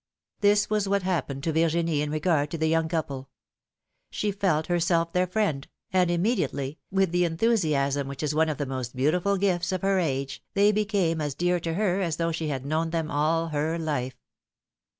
This was wdiat happened to Virginie in regard to the young couple: she felt herself their friend, and immedi ately, with the enthusiasm which is one of the most beauti ful gifts of her age, they became as dear to her as tliough she had known them all her life.